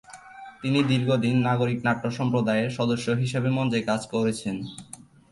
তিনি দীর্ঘ দিন নাগরিক নাট্যসম্প্রদায়-এর সদস্য হিসেবে মঞ্চে কাজ করেছেন।